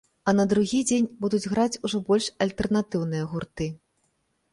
А на другі дзень будуць граць ужо больш альтэрнатыўныя гурты.